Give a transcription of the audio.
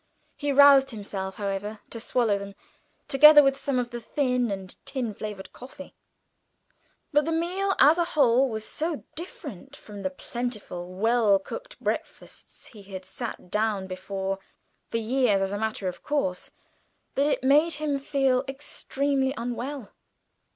He roused himself, however, to swallow them, together with some of the thin and tin flavoured coffee. But the meal as a whole was so different from the plentiful well cooked breakfasts he had sat down before for years as a matter of course, that it made him feel extremely unwell.